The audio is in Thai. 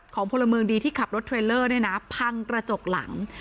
พลเมืองดีที่ขับรถเทรลเลอร์เนี่ยนะพังกระจกหลัง